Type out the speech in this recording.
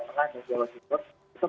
jangan lupa mas ini kan sudah dua tahun